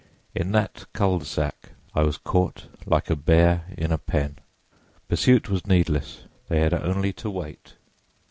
In that cul de sac I was caught like a bear in a pen. Pursuit was needless; they had only to wait.